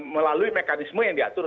melalui mekanisme yang diatur